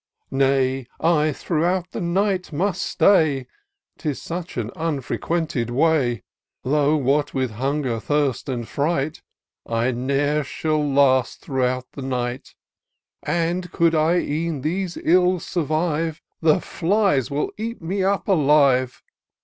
Nay, I throughout the night may stay, 'Tis such an unfrequented way : Tho' what with hunger, thirst and fright, I ne'er shall last throughout the night ; And could I e'en these ills survive, The flies will eat me up alive.